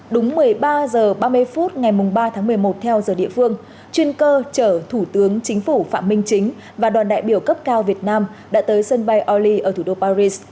đúng một mươi ba h ba mươi phút ngày ba tháng một mươi một theo giờ địa phương chuyên cơ chở thủ tướng chính phủ phạm minh chính và đoàn đại biểu cấp cao việt nam đã tới sân bay oli ở thủ đô paris